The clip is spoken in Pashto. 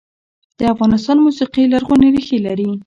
د افغانستان موسیقي لرغونې ریښې لري